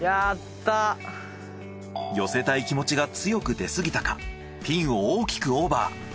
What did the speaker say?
寄せたい気持ちが強く出過ぎたかピンを大きくオーバー。